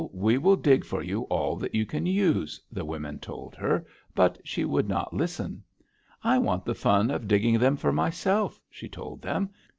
We will dig for you all that you can use,' the women told her, but she would not listen. "'I want the fun of digging them for myself,' she told them.